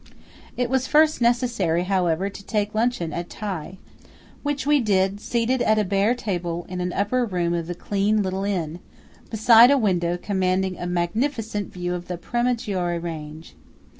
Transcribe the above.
It was first necessary, however, to take luncheon at Tai; which we did, seated at a bare deal table in an upper room of the clean little inn, beside a window commanding a magnificent view of the Premaggiore range.